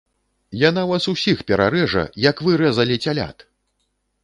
Яна вас усіх перарэжа, як вы рэзалі цялят!